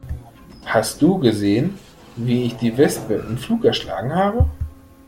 Hast du gesehen, wie ich die Wespe im Flug erschlagen habe?